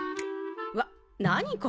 わっ何これ。